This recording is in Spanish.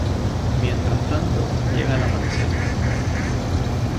Mientras tanto, llega el amanecer.